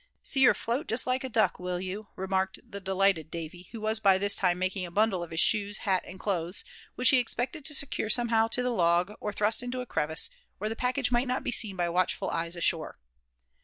"See her float just like a duck, will you?" remarked the delighted Davy, who was by this time making a bundle of his shoes, hat and clothes, which he expected to secure somehow to the log, or thrust into a crevice, where the package might not be seen by watchful eyes ashore.